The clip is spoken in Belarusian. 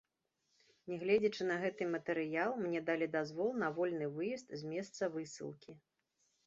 Нягледзячы на гэты матэрыял, мне далі дазвол на вольны выезд з месца высылкі.